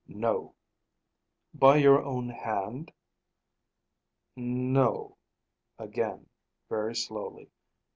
"No." "By your own hand?" "No," again, very slowly.